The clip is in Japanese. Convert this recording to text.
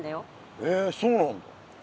へえそうなんだ。